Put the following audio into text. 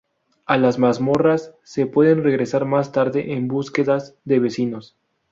A las mazmorras se puede regresar más tarde en búsquedas de vecinos.